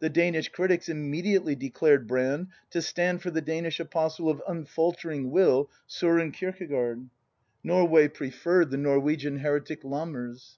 The Danish critics im mediately declared Brand to stand for the Danish apostle of unfaltering will, Soren Kierkegaard. Norway preferred 10 BRAND the Norwegian heretic Lammers.